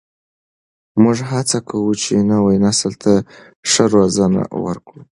موږ هڅه کوو چې نوي نسل ته ښه روزنه ورکړو.